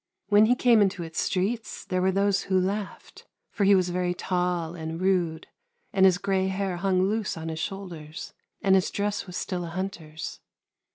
When he came into its streets there were those who laughed, for he was very tall and rude, and his grey hair hung loose on his shoulders, and his dress was still a hunter's.